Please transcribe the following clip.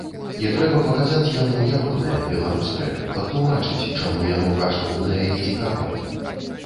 І трэба паказаць яму ягонае, беларускае, патлумачыць, чаму яно каштоўнае і цікавае.